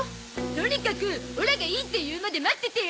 とにかくオラがいいって言うまで待っててよ。